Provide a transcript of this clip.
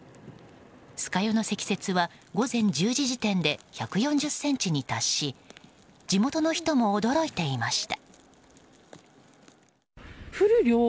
酸ヶ湯の積雪は午前１０時時点で１４０ｃｍに達し地元の人も驚いていました。